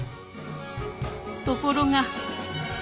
ところが。